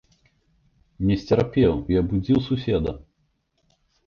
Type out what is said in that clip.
Не сцярпеў і абудзіў суседа.